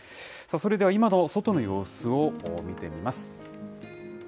それでは、今の外の様子を見てみます。